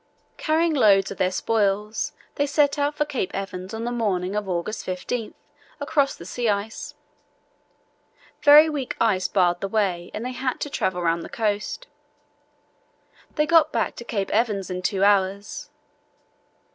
Carrying loads of their spoils, they set out for Cape Evans on the morning of August 15 across the sea ice. Very weak ice barred the way and they had to travel round the coast. They got back to Cape Evans in two hours.